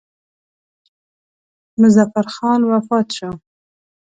مظفر خان وفات شو.